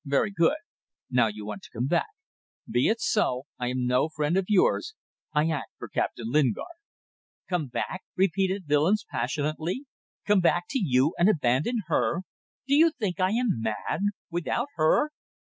Very good. Now you want to come back. Be it so. I am no friend of yours. I act for Captain Lingard." "Come back?" repeated Willems, passionately. "Come back to you and abandon her? Do you think I am mad? Without her!